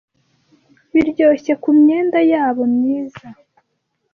biryoshye kumyenda yabo myiza